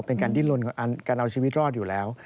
เป็นการดิ้นลนการเอาชีวิตรอดอยู่แล้ว